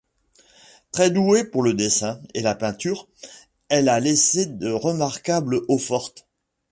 Très douée pour le dessin et la peinture, elle a laissé de remarquables eaux-fortes.